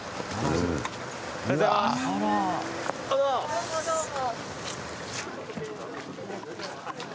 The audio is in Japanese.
どうもどうも。